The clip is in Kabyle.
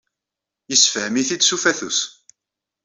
Yessefhem-it-id s ufatus.